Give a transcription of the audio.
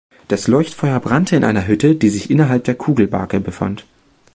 Das Leuchtfeuer brannte in einer Hütte, die sich innerhalb der Kugelbake befand.